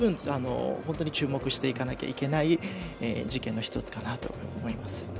本当に注目していかなければいけない事件の一つかなと思います。